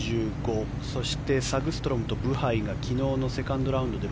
そして、サグストロムとブハイが昨日のセカンドラウンドで６５。